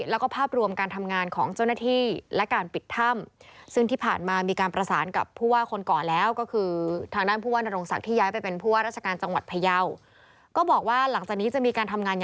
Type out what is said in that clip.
แล้วก็ภาพรวมการทำงานของเจ้าหน้าที่และการปิดถ้ำ